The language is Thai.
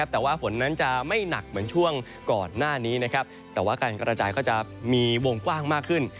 แต่ว่าฝนนั้นจะไม่หนักเหมือนช่วงก่อนหน้านี้นะครับแต่ว่าการกระจายก็จะมีวงกว้างมากขึ้น